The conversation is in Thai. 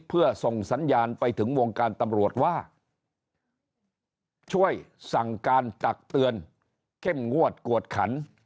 เพื่อส่งสัญญาณไปถึงวงการตำรวจว่าช่วยสั่งการตักเตือนเข้มงวดกวดขัน